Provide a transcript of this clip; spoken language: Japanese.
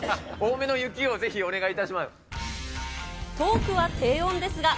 多めの雪をぜひ、お願いいたします。